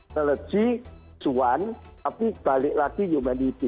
seleji suan tapi balik lagi humanity